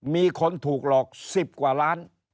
มีคนถูกหลอก๑๐กว่าล้าน